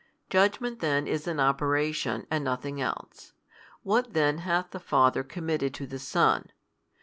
Judgment then is an operation, and nothing else. What then hath the Father committed to the Son?